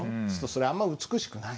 それあんま美しくない。